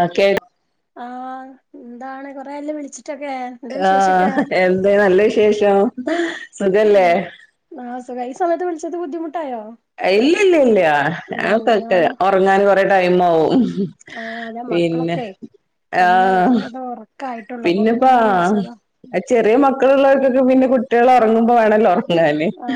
അ കേ ആ എന്താണ് കൊറെ ല്ല വിളിച്ചിട്ട ആ എന്ത് നല്ല വിശേഷം സുഖല്ലേ ഇ സയത്ത് വിളിച്ച ബുദ്ധിമു ഇല്ല ഇല്ല ഇല്ല ഉം ഞക്കക്ക ഞാന് ഉറങ്ങാൻ കൊറെ ടൈം ആവും ആഹ് അതെ പിന്നെ മക്കളൊക്കെ ആ ഒന്ന് ഇവിടെ ഉറക്കായിട്ടുള്ളൂ അപ്പൊ പിന്നെ പിന്നെപ്പാ അങ്ങനെ വിളിച്ചതാ ചെറിയ മക്കളുള്ളവർക്കൊക്കെ പിന്നെ കുട്ടികൾ ഉറങ്ങുമ്പോ വേണല്ലോ ഉറങ്ങാന് ആ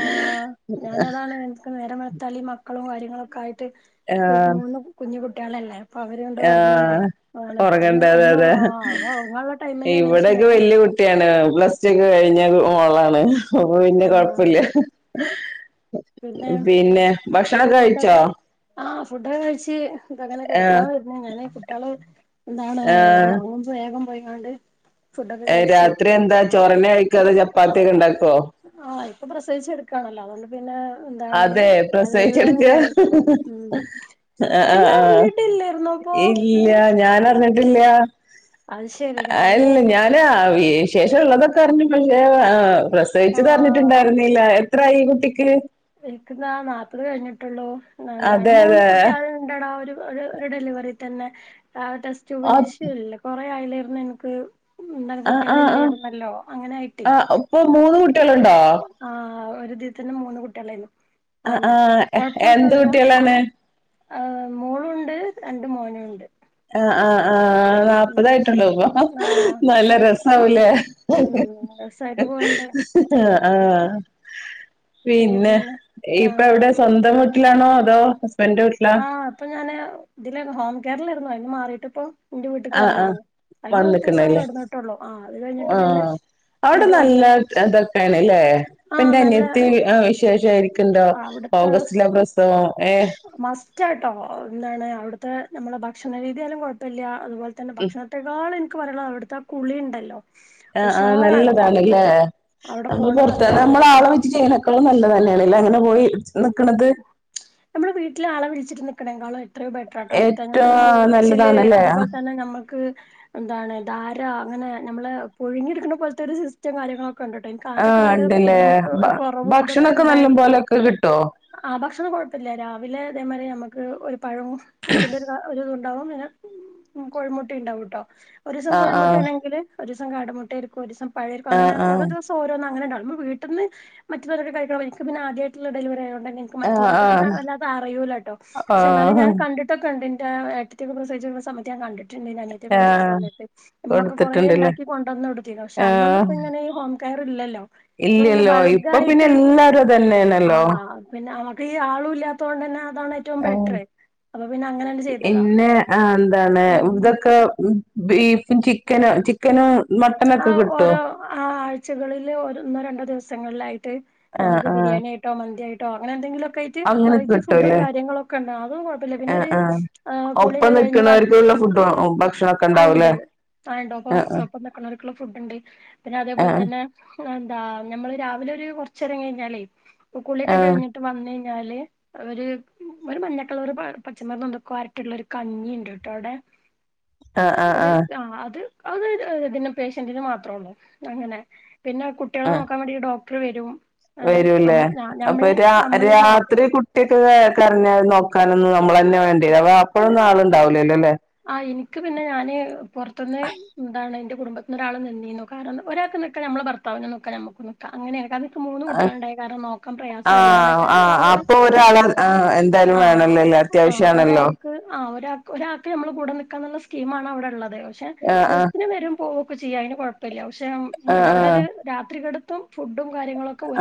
ഞാനതാണ് എനക്ക് നേരവെത്തളി മക്ക മക്കളും കാര്യങ്ങളുംക്കെ ആയിട്ട് ആ മൂന്ന് കുഞ്ഞു കുട്ടിളല്ലേ അപ്പൊ അവര് രണ്ടാളും ആ ഒറങ്ങണ്ടേ അതാണ് ഒന്ന് ഉറങ്ങണ്ട അതെ അതെ ഒന്ന്ഒറങ്ങനുള്ള ടൈം തന്നെയാണ് പക്ഷെ ഇവിടെയൊക്കെ ഞാൻ വല്യ കുട്ടിയാണ് പ്ലസ്റ്റക്കെ കഴിഞ്ഞ മോളാണ് അപ്പൊ പിന്നെ ആഹ് കൊഴപ്പില്ല [unintelligible] പിന്നെ ഭക്ഷണൊക്കെ കഴിച്ചോ ഫുഡെ കഴിച്ച് ഇപ്പ ആ കെടുക്കാൻ വരുന്നു ഞാൻ കുട്ടിള് എന്താണ് ആ ഓറുബേ വേഗം പോയിക്കാണ്ട് രാത്രി എന്താ ചോരണെ കഴിക്കാഅതെ ചപ്പാത്തിയക്കെ ഉണ്ടാക്കുവോ അ ഇപ്പൊ പ്രസേദിച്ച എടുക്കയാണല്ലോ അതുകൊണ്ട് പിന്നെ എന്താണ് അതെ എല്ലാം പ്രസഹിച്ചെടുക്ക കഴിക്കും [unintelligible] ഉം ആ അപ്പൊ ഇയ്യ് ആആ അറിഞ്ഞിട്ടില്ലേരുന്നോ അപ്പൊ ഇല്ല ഞാന റിഞ്ഞിട്ടില്ല അത് ശെരി ഞാന് അല്ല ഞാന ശേഷംള്ളതൊക്കെ അറിഞ്ഞു പിന്നെ അ പ്രസവിച്ചച്ച് ആഹ് അരിഞ്ഞിട്ടുണ്ടായിരുന്നില്ല എത്രായിഈ കുട്ടിക്ക് ഇരിക്കുന്നാ നാല്പത് കഴിഞ്ഞിട്ടുള്ളൂ എന്താണ് അതെ മൂന്ന് അതെ കുട്ടികള ഇണ്ടടാ ഒരു ഒരു ഒരു ഡെലിവറി തന്നെ ആ ടെസ്റ്റ് ബ് ആ ശിശുല്ലേ കൊറെ ആയല്ലായിരുന്നു എനിക്ക് എന്താണ് ആ കുട്ടിൾ ആ ആ, ഇല്ലരുന്നല്ലോ അങ്ങനെയിട്ട് ആ, ഇപ്പൊ മൂന്ന് കുട്ടികളുണ്ടോ ആഒരുതിതന്നെ മൂന്ന് കുട്ട ലെന്നു ആ അണ് ആ എ- എന്ത് കുഴപ്പൊന്നുല്ല കുട്ടികളാണ് ഹെ മോളുണ്ട് രണ്ട് മോനുണ്ട് ആ ആ ആഹ് ഉം നാല്പ്പതായിട്ടുണ്ടോ ഇപ്പൊ ആഹ് നല്ല കൊഴ രസവൂലേ ഉം രസായിട്ട് പോണ്ട് ആഹ് ആഹ്. പിന്നെ ഇപ്പൊ ആഹ് എവിടെ സ്വന്തം മുട്ടിലാണോ അതോ ഹസ്ബൻന്റെ വീട്ടിലാ ആഹ് ഇപ്പൊ ഞാന് ഇതില് ഹോംകെയറിലായിരുന്നു അന് മാറിട്ട് ഇപ്പ എന്റെ വീട്ടക്ക് ആഹ് ആഹ് വന്നിരിക്കുന്ന അതില് മുപ്പത് ദിവസം വന്നിക്കണല്ലേ കടന്നിട്ടള്ളൂ ആ അത് കഴിഞ്ഞിട്ട് പിന്നെ ആഹ് അവിടെ ഇങ്ങട്ട് വന്ന് നല്ല ഇതൊക്കെയാണ്ല്ലേ ഇപ്പ ആഹ് ഇന്റെ നല്ല അന്യത്തി വിശേഷ ആരിക്കുണ്ടോ ഓഗസ്റ്റിലെ പ്രസവം. ഏഹ് മസ്റ്റ് ആയിട്ടോ എന്താണ് അവിടുത്തെ നമ്മെ ഭക്ഷണരീതിയാലും കുഴപ്പില്ല അതുപോലെ തന്നെ ഉം ഭക്ഷണത്തൊൾ എനിക്ക് പറയാനുള്ള അവിടുത്തെ ആ കുളി ഉണ്ടല്ലോ. ആഹ് ആഹ് നല്ലതാണല്ലേ അവിടെ നമ്മൾ പോണത് പുറത്ത് നല്ലതാണ് നമ്മള ആളെ വെച്ച് ചെയീനക്കളും നല്ലതല്ലെ. മളൽ അങ്ങനെ പോയി നിക്കണത്. നമ്മള് വീട്ടില ആളെ വിളിച്ചിട്ട് നിക്കണെങ്കളോ അത്രയും ബെറ്റർ ആട്ടോ അവിടുത്തെ നമ്മൾ ആ ഏറ്റവും ഉഴച്ചില് നല്ലതാണല്ലേ അതുപോലെ തന്നെ നമ്മൾക്ക് എന്താണ് ധാര അങ്ങനെ നമ്മള് പുഴുങ്ങിെടുക്കുന്ന പോലത്തെ ഒരു സിസ്റ്റം കാര്യങ്ങളൊ ആ ഇണ്ടല്ലേ കൊറവും ഇതൊക്കെ ഭക്ഷണൊക്കെ നല്ല ഉണ്ടായിരുന്നു പോലെക്കെ കിട്ടും ആ ഭക്ഷണം കൊ ല്ല രാവിലെ ഇതേമാതിരി നമുക്ക് ഒരു പഴവുംത്തിന്റെ ഒ ഇതുണ്ടാവും അനെ ഉ കോഴിമുട്ടി ഉണ്ടാവും കേട്ടോ ഒരു ദസം ആഹ് ആഹ് കോഴിമുട്ടണെങ്കിൽ ഒരുിവസം കാടമട്ടയിരിക്കും ഒരു ദസം പഴയയിക്കും അങ്ങന ആഹ് ഓരോ ആഹ് ദിവസം ഓരോന്ന് അങ്ങനെണ്ട നമ്മ വീട്ടിന്ന് മറ്റുള്ളരൊക്കെ കഴിക്കണ മായിരി എനിക്ക് പിന്നെ ആദ്യമായിട്ടുള്ള ഡെലിവറി ആയോണ്ടാന്നെ എനിക്ക് മറ്റുള്ള ആഹ് അങ്ങന ആഹ് വല്ലാതെ അറിയൂല കേട്ടോ പക്ഷെ എന്നാലും ആഹ് ഞാൻ കണ്ടിട്ടൊക്കെ ഉണ്ട്. ഏ ഏട്ടത്തി ക്കെ പ്രസവിച്ച സമയത്ത് ഞാൻ കണ്ടു റ്റ് ഉണ്ടായിരുന്നു അനിയത്തിക്കെ പ്രസവിച്ച ആഹ് സമയത്ത് എമ്മക്ക കൊറേ കൊടുത്തിട്ടുണ്ടല്ലേ ഉണ്ടാക്കി കൊണ്ടുന് കൊടുന്ന് പക്ഷെ അന്നന്നി ആഹ് ഇങ്ങനെ ഈ കയറില്ലല്ലോ ഇല്ലല്ലോ ഇപ്പൊ പിന്നെ എല്ലാരും തന്നെയണല്ലോ. ആഹ് പിന്നെ നമുക്ക് ഈ ആളും ഇല്ലത്തത കൊണ്ട് തന്നെ അതാണ് ഏറ്റവും ആഹ് ബെറ്റർ അപ്പൊ പിന്നെ അങ്ങനെയണ്ട് ചെയ്തതാ പിന്നെ എന്താണ് ഉം ഇതൊക്കെ ബീഫും ചിക്കന് ചിക്കന് ആ ഓരോ ആ ആഴ്ചകളിൽ ഒന്നോ രണ്ടോ ദിവസങ്ങളിലായിട്ട് ആഹ് നമുക്ക് ആഹ് ബിരിയാണി. ആട്ടോ മന്ത്യായിട്ടോ അങ്ങെന്തെങ്കിലും ട്ട് അങ്ങനൊക്കെ വെറൈറ്റി ഫുഡും കിട്ടുംല്ലേ കാര്യങ്ങളൊക്കെ ഉണ്ട് അതും കുഴപ്പമില്ല പിന്നെ ആഹ് ഒരു ആഹ് ഒപ്പം കൂളിയൊക്കെ കഴിഞ്ഞ് നിക്കണവർക്കുള്ള ഫുഡ് വാണേ ഭക്ഷ. ആണ്ട് ആ ഉണ്ട് അപ്പൊ ഇപ്പൊ നിക്കണ ഒരിക്കുള്ള ഫുഡ് ഉണ്ട് പിന്നെ അതേപോലെ ആഹ് തന്നെ എന്താ നമ്മള് രാവിലെ ഒരു കൊറച്ചരം കഴിഞ്ഞാലേ കുളിയൊക്കെ ആഹ് കഴിഞ്ഞിട്ട് വന്ന് ാല് അവര് ഒരു മഞ്ഞക്കുള്ള ഒരു പച്ചമറി നക്കുവായിട്ടുള്ള ഒരു കഞ്ഞിണ്ട് ട്ടോ അവിടെ ആഹ് ആഹ് ഒരു ആഹ് ആ അത് അത്തി പേഷ്യന്റിന് മാത്രേ ഉള്ളൂ അങ്ങനെ. പിന്നെ കുട്ടികളെ ആഹ് നോക്കാൻ വേണ്ടിട്ട് ഡോക്ടർ വരും. വരൂല്ലേ അമ്മ അപ്പൊ ഞമ്മളീം രാ ഞമ്മളീം നോക്കും രാത്രി കുട്ടിയൊക്കെ കറഞ്ഞ നോക്കാനൊന്ന് [unintelligible] വ അപ്പോഴൊന്നും ആളുണ്ടാവല്ല അല്ലേ ആ എനിക്ക് പിന്നെ ഞാന് പുൊറത്തുന്ന് എന്താണ് എന്റെ കുടുംബത്തി ഒരാള നിനെന്നു കാരണം ഒരാൾക്ക്ൽക്കാ നമ്മൾ ഭർത്താവിന നോക്കാ നമുക്ക് നക്കാം അങ്ങനെയൊെ കാരണ മൂന്ന് കുട്ടികളുണ്ടായ കാരണം നോക്കാൻ പ്രയാസ ആയോണ്ടാണ് ആഹ് എല്ലാവർക്കും ആഹ് ആ ഒരു അപ്പൊ ഒരാള് ആഹ് എന്തായാലും ആ വേണല്ലോല്ലേ ആഹ്. അത്യാവശ്യാണല്ലോ ഒരാൾക്ക് ആ ഒരാൾക്ക് ഞമ്മൾ കൂടെ നിൽക്കാന്നുള്ള സ്കീം ആണ് അവിടെ ഉള്ളത്. തെ പക്ഷെ ആഹ് ആഹ് ബസ്സിന് വരും പോവൊക്കെ ചെയ്യാം അന് കുഴപ്പില്ല പക്ഷെ എന്താണ് അവിടെ ഒരു രാത്രി കടുത്ത്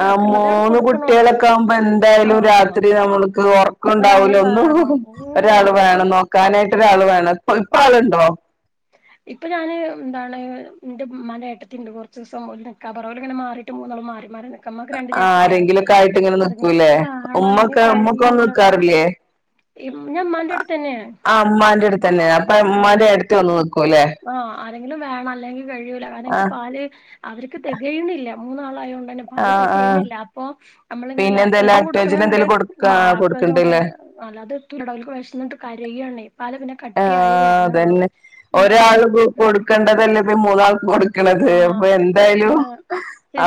ആ മൂന്ന് കൊടുക്കണുള്ളൂ കുട്ടികളൊക്കെ ആകുമ്പോ എന്തായാലും രാത്രി നമ്മൾക്ക് ഉറക്കുണ്ടാവ ള വേണം. ഓഹ് ഒരാൾ ഇതൊക്കെ വേണം നോക്കാനായിട്ട് ഒരാൾ വേണം ഇപ്പ ഇപ്പ ആളുണ്ടോ ഇപ്പൊ ഞാന് എന്താണ് എന്റെ ഉമ്മാന്റെ ഏട്ടത്തി ഉണ്ട് കുറച്ച് ദിവസം ഓൾ നികാന്ന് പറഞ്ഞ് ഓൾ ഇങ്ങനെ മാറിയിട്ട് മൂന്നോളം മാറി മാറി. നിക്കാ ഇമ്മാക്ക് രണ്ട് ആ ജേഷ്ഠത്തിയാള്ണ്ടേ ആരെങ്കിലുംക്കെ ആയിട്ട് ഇങ്ങനെ ആരെങ്കിലും നിക്കൂല്ലേ ഒക്കെ വേണം അല്ലെങ്കി ഉമ്മക്കെ ഉമ്മൊക്കെ വന്ന് കഴിയൂലടാ നിക്കാറില്ലേ ഞാൻ ഇമ്മാന്റെ അടുത്തന്നെയാണ് അ ഇമ്മന്റ് അടുത്തെന്നെന്ന് അപ്പ ഇമ്മാന്റെ ഏട്ടത്തി വന്ന് നിക്കൂല്ലേ ആഹ് ആരെങ്കിലും വേണം അല്ലെങ്കിൽ കഴിയൂലാകരണംനിക്ക് ആഹ് പാൽ അവർക്ക് തികയുന്നില്ല മൂന്നാളായതെണ്ട് മ പാൽ ആഹ് ആഹ് തെകയുന്നില്ല ന ലപ്പോ നമ്മളിങ്ങനെ പിന്നെ എന്തേലും ലാപ്ടോപ്ും ആക്ടോജൻ കൊടുക്കുന്നുണ്ട് എന്തേലും കൊടുക്കാ ലാപ്ടോപ്ും കൊടുക്കണ്ടല്ലേ അല്ലാതെതുലട വിശന്നിട്ടു കാര്യ യനായ് ആ അതന്നെ പിന്നെ ഒരാൾ കൊടുക്കണ്ടതല്ലേ മൂന്നാൾ കൊടുക്കണത് അപ്പൊ എന്തായാലും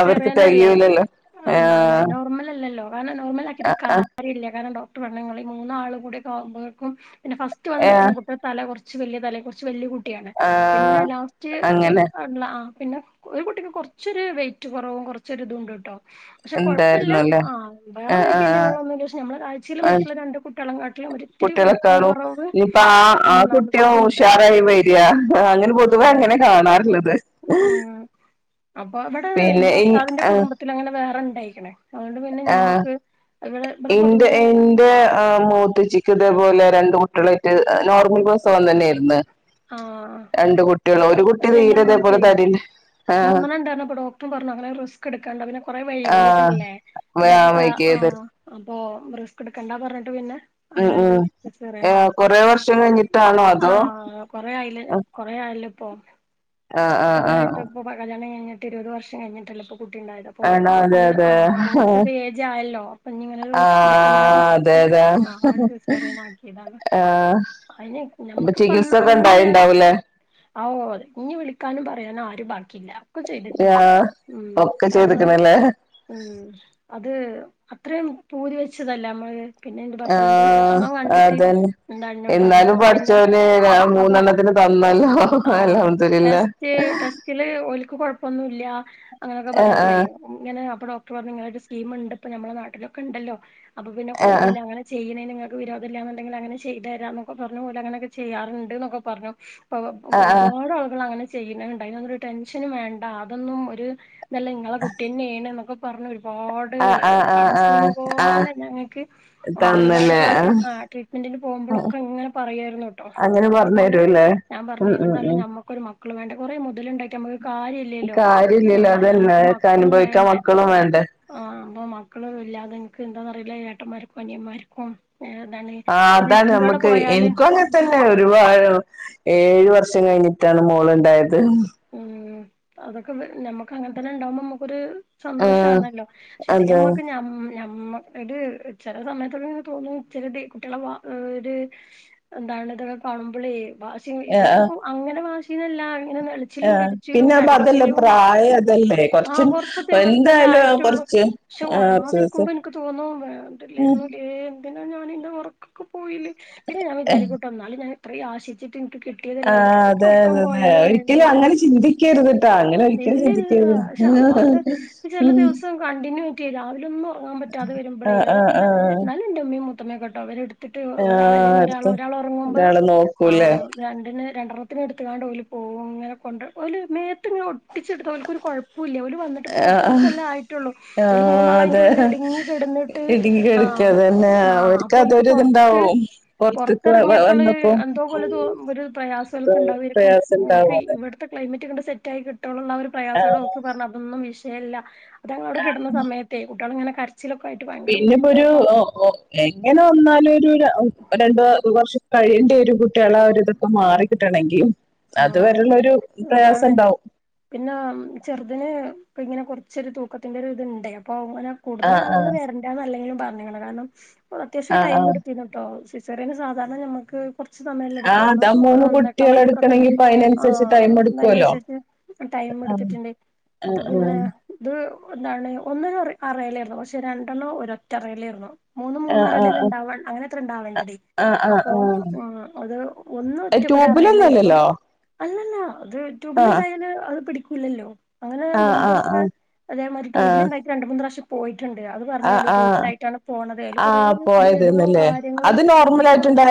അവർക്ക് തികയൂലല്ലോ ആ എന്ത നോർമൽ അല്ലല്ലോ കാരണം നോർമൽ ആക്കിട്ട് ആ കാര്യമല്ല കാരണം ഡോക്ടർ ിൽ മൂന്നാ ആൾ കൂടികുമ്പോൾക്കും പിന്നെ ഫസ്റ്റ് വന്ന് ആ, നിൽക്കുന്ന കുട്ടിക തല കുറ കുറ വലിയ തല കുറച്ച് വലിയ കുട്ടിയാണ് ആ, പിന്നെ ലാസ്റ്റ് അങ്ങനെ ഉള്ള ആ പിന്നെ ഒരു കുട്ടിക്ക് കുറച്ചൊരു വെയിറ്റ് കുറവും കുറച്ചൊരി ഇതുംണ്ട് കേട്ടോ പക്ഷെ കൊഴപ്പമില്ല എന്തായിരുന്നു അല്ലേ ആ വേറെ ആ ആ വൈകല്യങ്ങളൊന്നുമില്ല പക്ഷെ ഞമ്മള് കാഴ്ചയിൽ മറ്റുള്ള രണ്ട് കുട്ട കുട്ടികളൊക്കെ ആണു ഇനിയിപ്പ ആ ആ കുട്ടിയും മൂന്നാമത്തതുണ്ട് ഉഷാറായി വരിയാ അങ്ങനെ ആ പൊതുവേ അങ്ങനെ കാണാറുള്ളത് ഉം അപ്പൊ അവിടെ എന്റെ പിന്നെ ഇൻ- ഭർത്താവിന്റെ ആ, കുടുംബത്തിൽ അങ്ങനെ വേറെ ഉണ്ടായിരിക്കണേ അതുകൊണ്ട് പിന്നെ ആ, ഞങ്ങക്ക് എന്റെ എന്റെ മൂത്ത് ചിക് ഇതേ ലെ രണ്ടു കുട്ടിയാലായിട് നോർമൽ പ്രെസവംതന്നെയിരുന്നു ആഹ് രണ്ടുകിട്ടോളും പക്ഷെ എന്റെ അ്മാക്ക മൂന്നണ് ഉണ്ടരപ്പൊ ഡോക്ടറ പറഞ്ഞു അനെ റിസ്ക് എടുക്കാണ്ട് നല്ലേ അൊക്ക് ആ അപ്പൊ റിസ്ക് എടുക്കണ്ട പറഞ്ഞിട്ട് പിന്നെ ഉം അങ്ങനെണ്ട് ഉം സിസെറിയാൻ ഏ, ആക്കി കൊറേ വർഷം കഴിഞ്ഞിട്ടാണോ ആ അതോ കൊറ ആയില് കൊറ ആയ ഇപ്പ ആ ആ കൊറേ ആ ആായിട്ട് ഇപ്പൊ കല്യാണം കഴിഞ്ഞിട്ട് ഇരുപത് വർഷം കഴിഞ്ഞിട്ടല്ല കുട്ടിണ്ടായത് അപ്പൊ ആണോ അതെ അത് ആ അതെ അപ്പൊ കൊറച്ചൊക്കെ ഏജ്യല്ലോ അപ്പ ഇനി ഇങ്ങനെ ആ എടുക്കണ്ടാ അതെ പറഞ്ഞിട്ട് അതെ നാല് ദിവസറ ആാക്കിയതല്ലോ ആ അയിെ ഞക്കിപ്പ അന്ന് അന്ന നേരം ല്ല ഓ അതെ ഇനി വിളിക്കാനും പറയാനും ആര് ബാക് ില്ല ഒക്കെ ചെയ്തിട്ടുണ്ട് ആ ഉ ഒക്കെ കാരണം ചെയ്തിക്കണല്ലേ ഉ അത് അത്രയും പൂരിവെച്ചതല്ലേ നമ്മള് പിന്നെ എന്റെ ഭർത്താവിന്റെ ആഹ വിഷമം കണ്ടിട്ട് അതന്നെ എന്താ എന്നോട് പറഞ്ഞ എന്നാലും എന്നാ പിന്നെ പഠിച്ചവന് അവർ മൂന്നെണ്ണത്തിന് ആഹ് ന്നല്ല എല്ല ടെസ്റ്റ് ടെസ്റ്റില് ഒഓലക്ക് കൊഴപ്പൊന്നും ഇല്ല അങ്ങനെയൊക്കെ ആ ആ പറഞ്ഞപ്പോഴ ഡോക്ർ പരഞ്ഞു ഇങ്ങനൊരു സ്കീം ഉണ്ട് നമ്മളെ നാട്ടിലൊക്കെ ഇണ്ടല്ലോ അപ്പൊ പിന്നെ ആ കൊഴപ്പല്ല അങ്ങനെ ചെയുന്നയിന്നു വിരോദ അങ്ങനെ ചെയ് തരാനപറഞ്ഞ ഓള് അങ്ങനൊക്കെ ചെയാറുണ്ട്ൊക്കെ പറഞ്ഞു ആ ആ ഒരുപാട് ആളുകൾ അങ്ങനെ ചെയ്യുന്നുണ്ട് അതിനന്നരു ടെൻഷന വേണ്ട അതൊന്നും ഒരു ഇല്ല നിങ്ങളെ കുട്ടീ തെെയാണ് എന്നൊക്കെ പറഞ്ഞ ആ ആ ആ ആ ആ കൗൺസിലിംഗ ആ പോലെ ഞങ്ങൾക്ക് ഒരുപാട് തന്നല്ലേ പ്രശം ട്രീറ്റ്മെന്റിന് പോകുമ്പോഴൊക്കെ അങ്ങനെ പറായിരുന്നു കേട്ടോ അങ്ങനെ അപ്പൊ പറഞ്ഞു പിന്നെ തരൂല്ലേ ഞാൻ പറ ഉം ഉം എന്താലും ഉം നമ്മുക്കൊരു മക്കള് വേണ്ട കൊറെേ മുതല ഉണ്ടാക്കി നമ്മുക്ക് കാര്യംില്ലല്ലല്ലോ ല്ല അതല്ലക്കെ അനുഭവിക്കാൻ മക്കളും വേണ്ട ആഹ അപ്പൊ മക്കള് ഇല്ലാതെ നിനക്ക് എന്താന്നറിയില്ല ചഏട്ടന്മാർക്കും അനിയന്മാർക്കും ഏതാണ് ആ പിന്നെ അതാണ് ഇന്റോടെ നമുക്ക് പോയാല് എനിക്കും അങ്ങനെ തന്നെ ഒരുപാട് ഏഴ് വർഷം കഴിഞ്ഞിട്ടാണ് മോള ഇണ്ടായത് ഉം അതൊക്കെ നമ്മുക്ക് അങ്ങനെ തന്നെ ഉണ്ടാകുമ്പോ നമ്മുക്കൊരു ആ സന്തോഷമാണല്ലോ ശെരി അതെ നമ്മക്ക് മ്മ ചെ സമയത്ത തോന്നുന്നു ഇ കുട്ടികളെ ഒരു എന്താ കാണുമ്പളെ വാ ആ ആ [unintelligible] അങ്ങനെ വാശിനല്ല ആ പിന്നെ അപ്പൊ അതല്ലേ പ്രായം അതല്ലേ ആഹ് കൊറച്ചും കൊറച്ച് ദിവസല്ലേ എന്തായാലും ആയിട്ടുള്ളൂ കൊറച്ച് പക്ഷെ ആ ഉറങ്ങാതിരിക്കുമ്പോ ദിവസം എനിക്ക് തോന്നുന്നു വേണ്ടില്ലായിരുന്നുല്ലേ എന്തിനാ ഞാാനിന്റെ ഉറക്കൊക്കെ പോയില്ലേ പിന്നെ ഞാൻ വിചാരി കൂട്ടം എന്നാും ഞാൻ ഇത്രയും ആശിച്ചി് എനിക്ക് ആ കിട്ടിയതില്ല എനിക്ക് എത്ര അതെ ഉറക്കം അതെ അതെ പോയാലും വേണ്ട ഒരിക്കലും അങ്ങനെ ചിന്തിക്കരുത്ട്ടാ അങ്ങനെ ഒരിക്കലും ഇല്ലില്ല ചിന്തിക്കരുത് പക്ഷെ അപ്പ രാവില ഒന്നും ഉറങ്ങാൻ പറ്റാതെ വരുമ്പോേ ആ ആ ഏതാച്ചട്ടാ ആ നല്ല എന്റെമ്മയും മുത്തമേ കേട്ടോ അവരെ എടുത്ത് ത്തിട്ട് ഒരാൾ ആഹ് അല്ലെങ്കിൽ ഒരാൾ അടുത്ത ഒരാൾ ഉറങ്ങുമ്പോ ഒരാള് ആ നോക്കൂലേ രണ്ടിന് രണ്ടെണ്ണത്തിന് എടുത്തുകാണ്ട്ഓല് പോകും ഇങ്ങനെ കൊണ്ട് ഓല് മേത്ത് ഒട്ട് ഒട്ടിച്ചെടുത ഓർക്ക് ഒരു കുഴപ്പല്ല ഓല് വന്നിട്ടപ്പോ ആഹ് കുറച്ച്സല്ല ആയിട്ടുള്ള ഓല് ആഹ് മൂന്നാള അതെ അൻ്റെുള്ളിൽ ഇടുങ്ങി കിട ഇടുങ്ങി കടുക്കന്നെല്ലേ അവർക്ക് അപ്പൊ ഓൽക്ക് അതൊരു പുറത്ത് ഇത്ണ്ടാവും പുറത്തേക്ക് വ വന്നപ്പോ- ഉം എന്തോപോലെ തോ ഒരു പ്രയാസോൽക് ഉണ്ടാവരിക്കും പ്രയാസം നിനക്ക് ഇണ്ടാവും അതന്നെ ഇവിടത്തെ ക്ലൈമറ്റ് കണ്ട് സെറ്റായി കിട്ടോള്ള്ള ഒരു പ്രയാസോടോ ആഹ് ഒക്കെ പറഞ്ഞ അതൊന്നും വിഷയല്ല ഞങ്ങളവിടെ കിട്ടുന്ന സമയത്തെ കുട്ടിയോൾ ഇങ്ങനെ - പിന്നെപ്പോ ഒരു ഓ എങ്ങനെ വന്നാലും ഒരു ര രണ്ട് വർഷം കഴിയേണ്ടിവരും - കുട്ടിളെ ഒരു ഇതൊക്കെ മാറിക്കിട്ടണമെങ്കിൽ അത് ആഹ് വരെള്ളരു പ്രയാസം അതാണ് ഉണ്ടാവും പിന്നെ ചെറുതിന് ഇങ്ങനെ കൊറ ച്ചൊരു തൂക്കത്തിന്റെ ഇത്ണ്ട്അപ്പൊ അങ്ങനെ കൂടുതൽ ആഹ് ആളുകൾ ആഹ് വരണ്ടന്ന് അല്ലെങ്കിലും പറഞ്ഞുക്ക്ണ് കാരണം അത്യാവശ്യം ആഹ് ടൈം ആഹ് എടുത്തിന്നുട്ടോ സിസേറിയന് സാധാരണ നമുക്ക് കുറച്ച് സ സമയല്ലേ ആഹ് ഇടക്കൊള്ളൂ അതാ മൂന്ന് ഓരോന്നേക്കാ കുട്ടികളെ മണിക്കൂറൊക്കെ അല്ലെ എടുക്കണെങ്കി ഇപ്പ ആ അതിനനുസരിച്ച് ടൈം എടുക്കുവല്ലോ അതിനനുസരിച്ച് ടൈം ആഹ് ആഹ് അപ്പൊ പിന്നെ ഇത് എന്താണ് ഒന്നിനോ അറയിലായിരുന്നു പക്ഷെ രണ്ടെണ്ണം ഒര ഒറ്റ അറയിലായിരുന്നു മൂന്ന ആഹ് ആഹ് മൂന്ന അറലല്ല ആഹ് ഇണ്ടാവ അങ്ങനെത്ര ഉണ്ടാവേണ്ടത് അപ്പൊ ഉ അത്- ഒന്ന് ഒറ്റക്കൊരു അറയിലായിരുന്നു ട്യൂബിലൊന്നുംല്ലല്ലോ അല്ലല്ല അത്ട്യൂബിൽ ഉണ്ടായാല് അത് പിടിക്കൂല്ലല്ലോ അങ്ങനെ ആഹ് ആഹ് മുമ്പൊക്ക് ആഹ് അതേമാതിരി ട്യൂബില ആഹ് ഉണ്ടായിട്ട് രണ്ട മൂന്ന് പ്രാവശ്യം പോയി ഇണ്ട് അത് ആഹ് പറഞ്ഞല്ലോ ആഹ് ഡ്യൂബില ആയിട്ടാണ് പോണത് അതില് കുറ ആഹ് ബ്ലീഡിങ്ങും കാര്യങ്ങളും-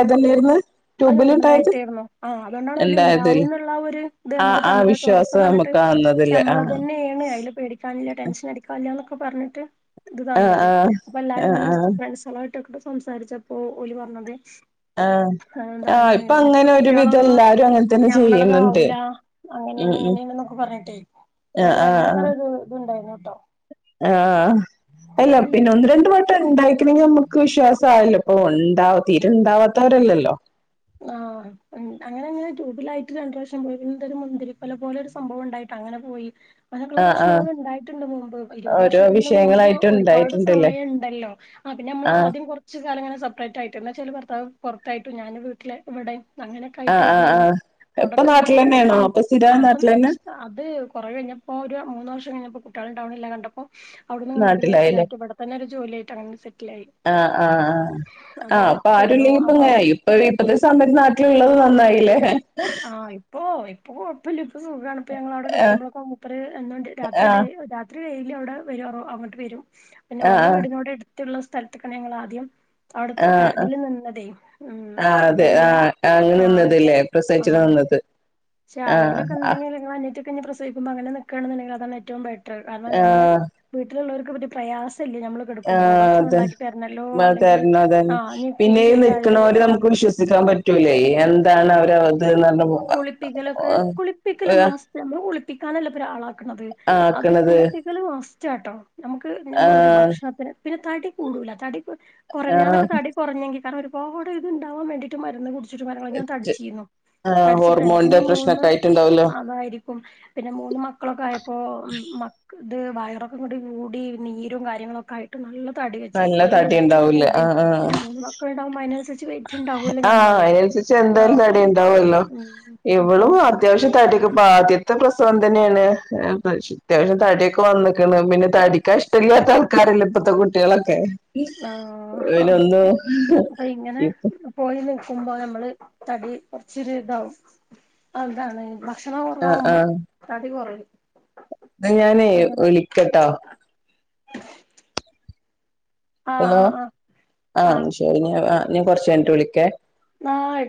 അല്ലെരുന്നു ട്യൂബിൽ- ഒന്നായിട്ടെന്ന് ആ അതുകൊണ്ടാണ് ഉണ്ടാവന്നുള്ള ഒരു ഇത് ആഹ് നമുക്ക് ആഹ് തന്നിട്ട് ഉറപ്പ് വിശ്വാസം തന്നിട്ട്- നമുക്ക് ആവുന്നതല്ലേ നമ്മള ആഹ് തന്നെയാണ് അതില് പേടിക്കാനില്ല ടെഷൻ അടിക്കാനില്ല പറഞ്ഞിട്ട് ഇത് ആഹ് തന്നത് ആഹ് അപ്പൊ എല്ലാരും ആഹ് ഇങ്ങനെ ആഹ് സ്ഥലമായിട്ടക്ക- സംസാരിച്ചപ്പോ ഓല് പറഞ്ഞത് ആ ആഇപ്പൊ അങ്ങനത്തെ കുട്ടികളൊന്നും ചെയ്യുന്നുണ്ട് ഞമ്മളതാവൂല ഉം അങ്ങനെണ് ഉം ഇങ്ങനെയ എന്നൊക്കെ പറഞ്ഞിട്ടേ നമുക്ക് ഭയങ്കര ഒരു ഇതുണ്ടായിരുന്നു കേട്ടോ ആ അല്ല പിന്നെ ഒന്ന് രണ്ടു വട്ടം ണ്ടായിക്കണെങ്കിൽ നമ്മുക്ക് വിശ്വാസ ആയല്ലോ ഓ ഉണ്ടാ തീരെ ഉണ്ടാവാത്തവരല്ലല്ലോ ആ അങ്ങനെ അങ്ങനെ ട്യൂബിലായിട്ട് രണ്ട് പ്രാവശ്യം പോയി ഒരു മുന്തിരി കുല പോലെ ഒരു സംഭവം ഉണ്ടായിട്ട- അങ്ങനെ പോയി അങ്ങനൊക്കുള്ള ആഹ് ആഹ് പ്രശ്നങ്ങ ഉണ്ടായിട്ടുണ്ട് മുമ്പ് ഇരുപത് ഓരോ വർഷത്തിന്റെ മുമ്പ് വിഷയങ്ങളായിട്ട് ഒരുപാട് ഉണ്ടായിട്ടുണ്ടല്ലേ സമയം ഉണ്ടല്ലോ ആ പിന്നെ നമ്മള ആഹ് ആദ്യം കുറച്ച് കാലങ്ങെ സെപ്പറേറ്റ് ആയിട്ട എ എന്ന വച്ചാല് ഭർത്താവ്പൊറത്തായിട്ടു ഞാന് വീട്ടില് ഇവിടെയും അങ്ങനൊക്കെ ആയിട്ട് ആഹ് ആഹ് ഇരുന്നേനോ ആഹ് ഇപ്പൊ കൊടക്കങ്ങനെ നാട്ടിലെന്നെയാണോ അപ്പൊ ആ സ്ഥിരം അപ്പ നാട്ടിലെന്നെ അത് കുറ കഴിഞ്ഞപ്പോഒരു മൂന്ന വർഷം ഞങ്ങൾക്ക് കുട്ടിയോൾ ഉണ്ടാകുന്നില്ല കണ്ടപ്പോ- അവിടന്നും കണ്ടു പിന്നെ നാട്ടിലായില്ലേ സ്ഥിരറ്റയിട്ട് ഇവിടെ തന്നെ ഒരു ജോലിയായിട്ട് അങ്ങനെ സെറ്റില ആയി ആ അപ്പൊ ആരുല്ലെങ്കി ഇപ്പങ്ങനായി ഇപ്പൊ ഇപ്പത്തെ സമയത്ത് നാട്ടിലുള്ളത് നന്നായില്ലേ ആ ഇപ്പൊ ഇപ്പൊ കൊഴപ്പില്ല ഇപ്പോ സുഖാണ് ഇപ്പോ ഞങ്ങവിടെ ആഹ് കടക്കുമ്പോളോക്കേ മൂപ്പര്എന്താ രാത്രി ഡേ ആഹ് രാത്രി വൈകി അവിടെ വരൂ അങ്ങോട്ട് വരും പിന്നെ ആഹ് ഓല ആഹ് വീടിനോട് എടുത്തുള്ള സ്ഥലത്താണ് ഞങ്ങൾ ആദ്യം- അവിടുതേ കാ ആഹ് ഇതിൽ നിന്നതേ ഉം ആഹ് അപ്പൊ അതെ പിന്നെ ആഹ് അങ്ങനെ ആ നിന്നതല്ലേ പ്രസവിച്ചിട്ട് നിന്നത് പക്ഷ ആഹ് ആരെങ്കിലുംക്കെ ആഹ് ഉണ്ടെങ്കി അനിയത്തിയൊക്കെ പ്രസവിക്കുമ്പോ അങ്ങനെ നക്കണുന്ന്ണ്ടങ്കിൽ അതാണ് ഏറ്റവും ബെ കാരണം നമ്മെളെ ആഹ് വീട്ടിലുള്ളവർക്ക് വല്ല്യ പ്രയാസ ല്ലല്ലോ നമ്മള് കെടുക്കുമ്പോ ഭക്ഷണം അതെ ഉണ്ടാക്കി തരണല്ലോ അല്ലെങ്കിൽ തരണം ആ അതന്നെ പിന്നെ കുളി ഈ നിക്കണോര് ശരിയായില്ലെങ്കിലോ നമുക്ക് വിശ്വസിക്കാൻ പറ്റൂലേ എന്താണ് അവർ അത് പറഞ്ഞ- കുളിപ്പിക്കലൊക്കെ കുളിപ്പിക്കല് ആഹ് മാസ്റ്റ കുളിപ്പിക്കാനല്ല ഒരാളാക്കണത് അത് ആക്കണത് കുളിപ്പിക്കല് മസ്റ്ററ്റാട്ടോ നമുക്ക് ഞമ്മ പറയാ ആഹ് ഭക്ഷണത്തിന് പിന്നെ തടി കൂടൂല തടി കുറഞ്ഞാ ആഹ് ഞാനൊക്കെ തടി കുറഞ്ഞാ കാരണം ഒരുപാട് ഇത് ഉണ്ടാവാൻ വേണ്ടിട്ട് മരുന്ന് കു- ചുറ്റ മരങ്ങൾ ഞാൻ തടിച്ചിരുന്നു ആ തടിച്ചിട്ടുണ്ട് പിന്നെ ഹോർമോണിന്റെ മൂന്ന് പ്രശ്നമൊക്കെ ആയിട്ടുണ്ടോ അതായിരിക്കും പിന്നെ മൂന്ന് മക്കളൊക്കെ ആയപ്പോ മ- ഇത് വയറൊക്കെ കൂടി കൂടി നീരും കാര്യങ്ങളുമൊക്കെ ആയിട്ട് നല്ല തടിവെച്ചും നല്ല തടി വെയിറ്റും ഉണ്ടാവൂലേ കൂടി ആഹ് ആഹ് പിന്നെ മൂന്ന് മക്കളുണ്ടാവുമ്പോ അതിനനുസരിച്ച് വെയിറ്റ് ഉണ്ടാവൂല്ലോ ആഹ് ഞമ്മള് അതിനനുസരിച്ച് എന്തായാലും ആഹ് തടിയുണ്ടാവും ഉള്ളോ ഉം അപ്പൊ ഇവളും അത്യാവശ്യം തടിയൊ ആദ്യത്തെ പ്രസവം തന്നെയാണ് അത്യാവശ്യം തടിയൊക്കെ വന്നിക്കണ് പിന്നെ തടിക്കാൻ ഇഷ്ടമല്ല ആൾക്കാരില്ല ഇപ്പത്തെ കുട്ടികളൊക്കെ ആഹ് ഇനൊന്നു- അപ്പൊ ഇങ്ങനെ പോയി നിൽക്കുമ്പോ നമ്മള് തടി കൊറച്ചൊ ഇതാവും അതാണ് ഭക്ഷണം ആഹ് കുറവാകുമ്പോൾ ആഹ് തടി കുറയും ഞാനേ അങ്ങനെ വിളിക്കട്ടാ ആഹ് ഹലോ ആഹ് ആഹ് ആ ആഹ് ശരി ആ ഞാൻ കൊറച്ച് കഴിഞ്ഞിട്ട് വിളിക്കെ-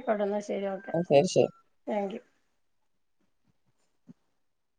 അവിടന്ന് ശരി ഓക്കെ താങ്ക് യു